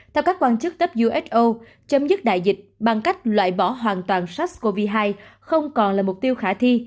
theo các quan chức cấp uso chấm dứt đại dịch bằng cách loại bỏ hoàn toàn sars cov hai không còn là mục tiêu khả thi